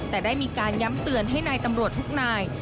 แต่ได้มีการย้ำเตือนให้นายตำรวจทุกนาย